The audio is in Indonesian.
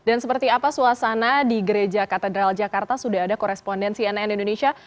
dan seperti apa suasana di gereja katedral jakarta sudah ada korespondensi nn indonesia